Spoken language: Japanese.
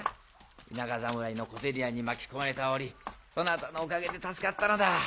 田舎侍の小競り合いに巻き込まれた折そなたのおかげで助かったのだ。